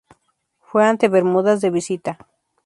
Fue ante Bermudas de visita.